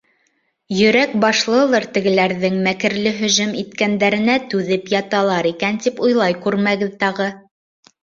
Йөрәк башлылыр тегеләрҙең мәкерле һөжүм иткәндәренә түҙеп яталар икән, тип уйлай күрмәгеҙ тағы.